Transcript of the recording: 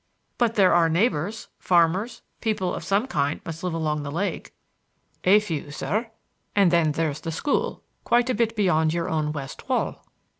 "But there are neighbors,—farmers, people of some kind must live along the lake." "A few, sir; and then there's the school quite a bit beyond your own west wall."